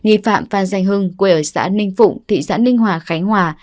nghi phạm phan danh hưng quê ở xã ninh phụng thị xã ninh hòa khánh hòa